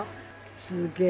すげえ。